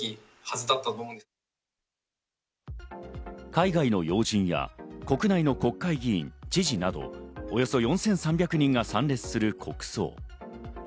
海外の要人や、国内の国会議員・知事など、およそ４３００人が参列する国葬。